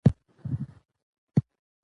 که دا عادت دوام وکړي روغتیا به ښه شي.